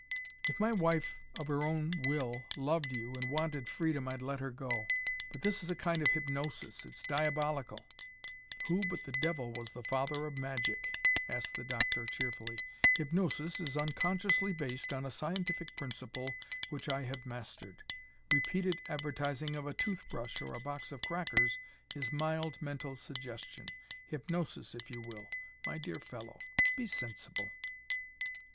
"If my wife of her own will loved you, and wanted freedom, I'd let her go. But this is a kind of hypnosis. It's diabolical!" "Who but the devil was the father of magic?" asked the doctor, cheerfully. "Hypnosis is unconsciously based on a scientific principle which I have mastered. Repeated advertising of a tooth brush or a box of crackers is mild mental suggestion hypnosis, if you will. My dear fellow, be sensible!"